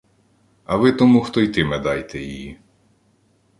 А ви тому, хто йтиме, дайте її.